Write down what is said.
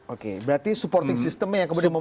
oke berarti supporting system yang kemudian membuat ini